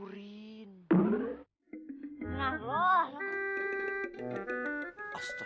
kita akan dipenuhi